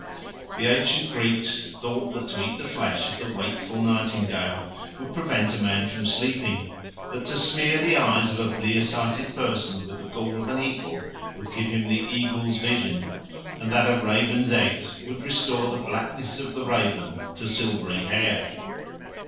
The ancient Greeks thought that to eat the flesh of the wakeful nightingale would prevent a man from sleeping; that to smear the eyes of a blear sighted person with the gall of an eagle would give him the eagle's vision; and that a raven's eggs would restore the blackness of the raven to silvery hair.